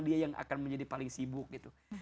dia yang akan menjadi paling sibuk gitu